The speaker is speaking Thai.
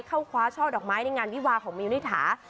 เข้าคว้าช่อดอกไม้ในงานวิวาของมิวนิถา